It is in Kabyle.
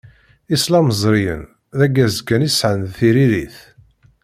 Islamẓriyen d aggaz kan i sɛan d tiririt.